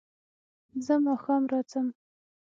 زه ماښام راځم